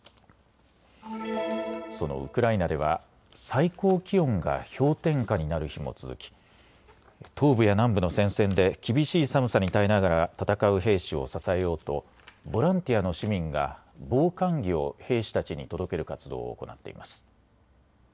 そのウクライナでは最高気温が氷点下になる日も続き東部や南部の戦線で厳しい寒さに耐えながら戦う兵士を支えようとボランティアの市民が防寒着を兵士たちに届ける活動を行っています。